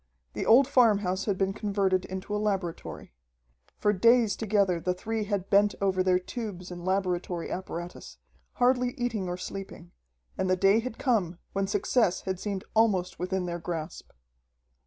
The old farmhouse had been converted into a laboratory. For days together the three had bent over their tubes and laboratory apparatus, hardly eating or sleeping. And the day had come when success had seemed almost within their grasp.